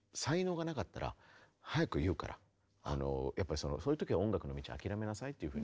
その時にそういう時は音楽の道を諦めなさいというふうに。